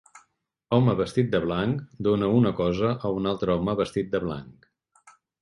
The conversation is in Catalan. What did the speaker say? Home vestit de blanc dona una cosa a un altre home vestit de blanc.